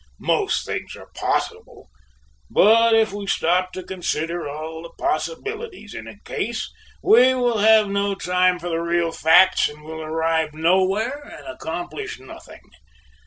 "Most things are possible, but if we stop to consider all the possibilities in a case, we will have no time for the real facts and will arrive nowhere and accomplish nothing.